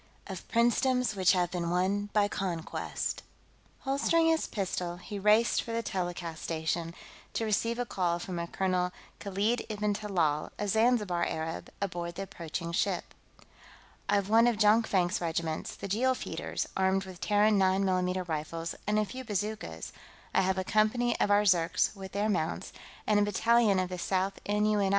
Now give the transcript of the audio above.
Of Princedoms Which Have Been Won by Conquest Holstering his pistol, he raced for the telecast station, to receive a call from a Colonel Khalid ib'n Talal, a Zanzibar Arab, aboard the approaching ship. "I've one of Jonkvank's regiments, the Jeel Feeders, armed with Terran 9 mm rifles and a few bazookas; I have a company of our Zirks, with their mounts, and a battalion of the Sixth N.U.N.I.